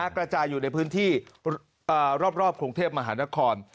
กระจายอยู่ในพื้นที่รอบกรุงเทพมหานคร